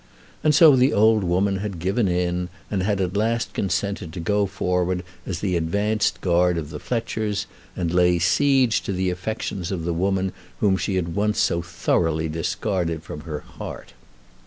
And so the old woman had given in, and had at last consented to go forward as the advanced guard of the Fletchers, and lay siege to the affections of the woman whom she had once so thoroughly discarded from her heart.